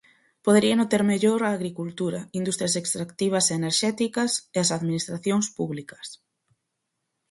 Poderíano ter mellor a agricultura, industrias extractivas e enerxéticas e as administracións públicas.